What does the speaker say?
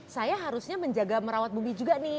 saya harusnya menjaga merawat bumi juga nih